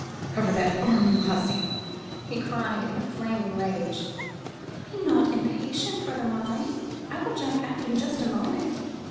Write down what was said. "Cover that arm, you hussy," he cried in a flaming rage. "Be not impatient, brother mine! I will jump out in just a moment."